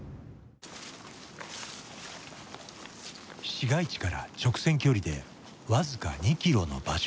市街地から直線距離で僅か２キロの場所。